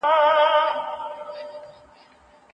ملا د روغتیا مهم شاخص دی.